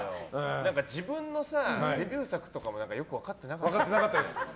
自分のデビュー作とかもよく分かってなかったよね。